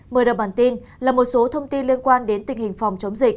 mời đọc bản tin là một số thông tin liên quan đến tình hình phòng chống dịch